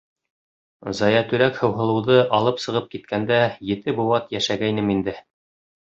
— Заятүләк һыуһылыуҙы алып сығып киткәндә ете быуат йәшәгәйнем инде.